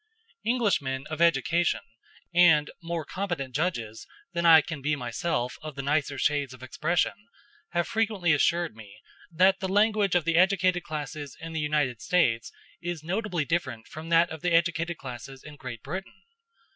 Englishmen of education, and more competent judges than I can be myself of the nicer shades of expression, have frequently assured me that the language of the educated classes in the United States is notably different from that of the educated classes in Great Britain.